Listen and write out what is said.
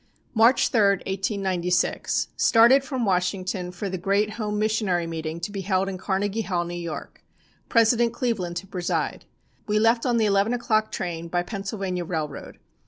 "March 3, 1896. Started from Washington for the great Home Missionary meeting to be held in Carnegie Hall, New York, President Cleveland to preside. We left on the eleven o'clock train, by Pennsylvania railroad.